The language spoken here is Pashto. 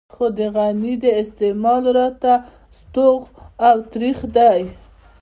خو د غني د استعمال راته ستوغ او ترېخ دی.